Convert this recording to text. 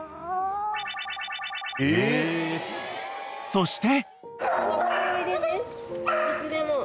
［そして］